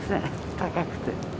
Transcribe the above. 高くて。